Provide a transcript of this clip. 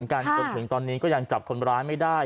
จนถึงตอนนี้ก็ยังจับคนร้ายไม่ได้